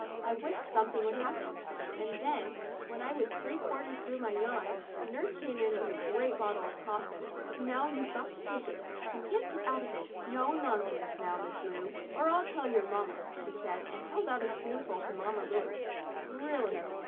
I wish something would happen;' and then, when I was three quarters through with my yawn, nurse came in with a great bottle of cough medicine. " Now you've got to take it; you can't get out of it. No nonsense now, Miss Lu, or I'll tell your mamma," she said, and held out a spoonful to Mamma Lu.